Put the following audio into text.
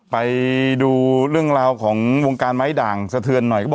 ไปดูเรื่องราวของวงการไม้ด่างสะเทือนหน่อยก็บอก